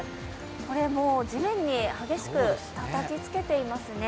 これもう地面に激しくたたきつけていますね。